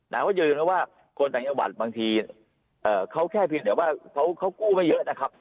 แต่ว่าคนต่างจังหวัดบางทีเขากู้ไม่เยอะนะครับ